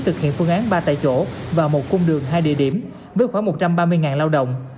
thực hiện phương án ba tại chỗ và một cung đường hai địa điểm với khoảng một trăm ba mươi lao động